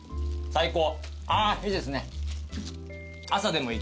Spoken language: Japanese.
最高。